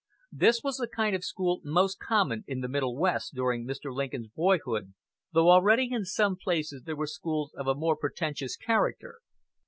This was the kind of school most common in the middle West during Mr. Lincoln's boyhood, though already in some places there were schools of a more pretentious character.